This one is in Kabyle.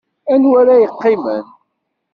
Anwa ara yeqqimen?